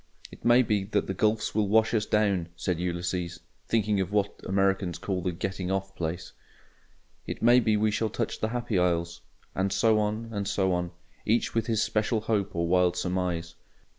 "It may be that the gulfs will wash us down," said Ulysses (thinking of what Americans call the "getting off place"); "it may be we shall touch the Happy Isles." And so on, and so on; each with his special hope or "wild surmise."